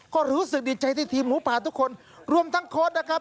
ก็รู้สึกดีใจที่ทีมหมูป่าทุกคนรวมทั้งโค้ดนะครับ